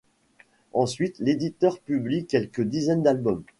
Ensuite, l'éditeur publie quelques dizaines d'albums.